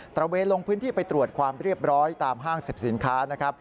ตระเวลงพื้นที่ไปตรวจความเรียบร้อยตามห้างเสร็จสินค้า